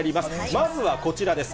まずはこちらです。